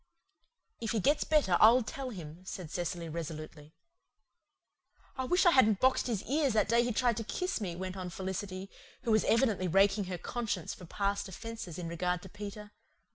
"If he gets better I'll tell him," said Cecily resolutely. "I wish I hadn't boxed his ears that day he tried to kiss me," went on Felicity, who was evidently raking her conscience for past offences in regard to Peter.